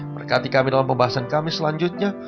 berkati kami dalam pembahasan kami selanjutnya